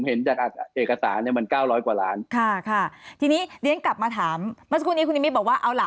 เห็นเอกสารมัน๙๐๐กว่าล้านค่ะที่นี้เรียนกลับมาถามว่าเอาหล่ะ